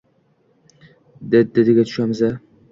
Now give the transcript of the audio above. Di-ditga tushamiz-a?